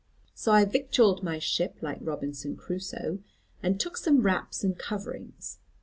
So I victualled my ship like Robinson Crusoe, and took some wraps and coverings.